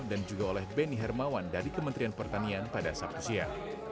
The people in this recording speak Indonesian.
dan juga oleh benny hermawan dari kementerian pertanian pada sabtu siang